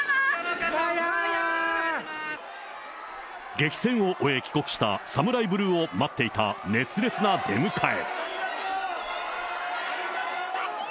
激戦を終え、帰国したサムライブルーを待っていた、熱烈な出迎え。